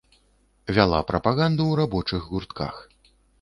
Вяла прапаганду ў рабочых гуртках.